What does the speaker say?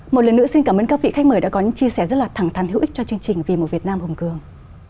một lần nữa xin cảm ơn các vị khách mời đã có những chia sẻ rất là thẳng thắn hữu ích cho chương trình vì một việt nam hùng cường